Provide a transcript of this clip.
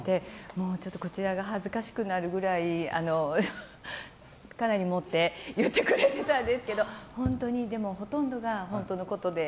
もう、こちらが恥ずかしくなるくらいかなり盛って言ってくれてたんですけどでも、ほとんどが本当のことで。